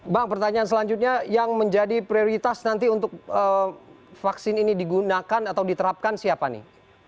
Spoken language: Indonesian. bang pertanyaan selanjutnya yang menjadi prioritas nanti untuk vaksin ini digunakan atau diterapkan siapa nih